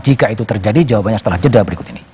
jika itu terjadi jawabannya setelah jeda berikut ini